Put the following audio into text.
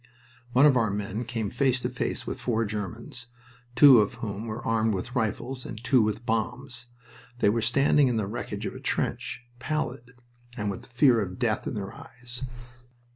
One of our men came face to face with four Germans, two of whom were armed with rifles and two with bombs. They were standing in the wreckage of a trench, pallid, and with the fear of death in their eyes.